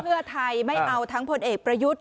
เพื่อไทยไม่เอาทั้งพลเอกประยุทธ์